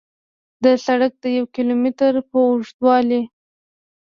د سړک د یو کیلو متر په اوږدوالي